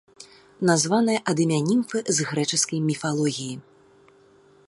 Названая ад імя німфы з грэчаскай міфалогіі.